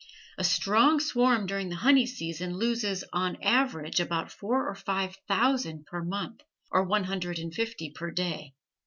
A strong swarm during the honey season loses, on an average, about four or five thousand per month, or one hundred and fifty per day.